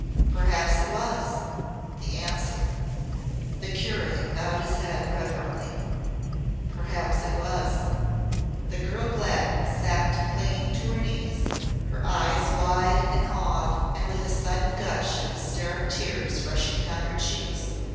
Perhaps it was the Answer!" The curate bowed his head reverently. "Perhaps it was." The girl Glad sat clinging to her knees, her eyes wide and awed and with a sudden gush of hysteric tears rushing down her cheeks.